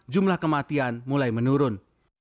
jumlah kematian mulai menurun